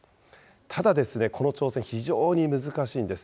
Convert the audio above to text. ただ、この挑戦、非常に難しいんです。